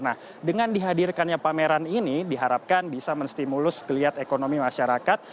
nah dengan dihadirkannya pameran ini diharapkan bisa menstimulus geliat ekonomi masyarakat